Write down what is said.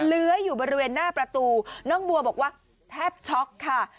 เลื้อยอยู่บริเวณหน้าประตูน้องบัวบอกว่าแทบช็อกค่ะ